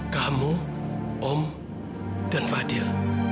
kamu om dan fadil